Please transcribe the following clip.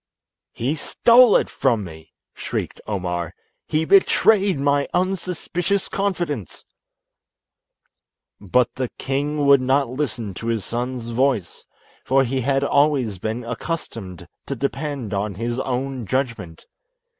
"He stole it from me," shrieked Omar; "he betrayed my unsuspicious confidence." But the king would not listen to his son's voice, for he had always been accustomed to depend on his own judgment.